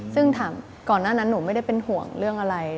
ซึ่งถามก่อนหน้านั้นหนูไม่ได้เป็นห่วงเรื่องอะไร